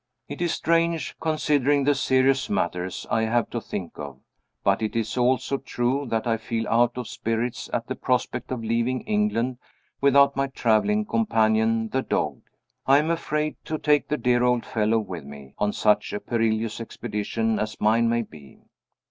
It is strange, considering the serious matters I have to think of, but it is also true, that I feel out of spirits at the prospect of leaving England without my traveling companion, the dog. I am afraid to take the dear old fellow with me, on such a perilous expedition as mine may be.